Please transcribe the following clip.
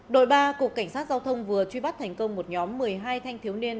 đội ba cục cảnh sát giao thông vừa truy bắt thành công một nhóm một mươi hai thanh thiếu niên